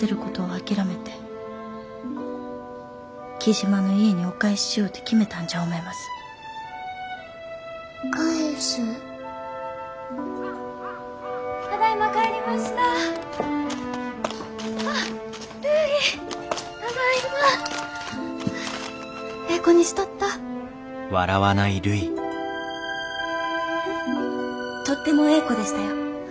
とってもええ子でしたよ。